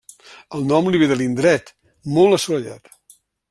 El nom li ve de l'indret, molt assolellat.